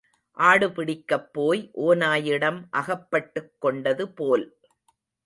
ஆடு பிடிக்கப்போய் ஓநாயிடம் அகப்பட்டுக் கொண்டது போல்.